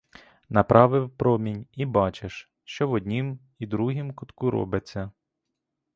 Направив промінь і бачиш, що в однім і другім кутку робиться.